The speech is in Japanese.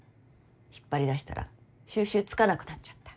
引っ張り出したら収拾つかなくなっちゃった。